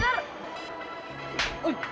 tak mungkin juga ya